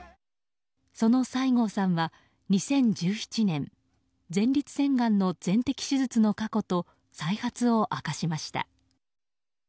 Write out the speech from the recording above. その西郷さんは２０１７年前立腺がんの全摘手術の過去と再発を明かしました。